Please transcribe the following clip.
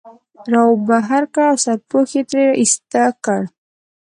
را وبهر کړ او سرپوښ یې ترې ایسته کړ.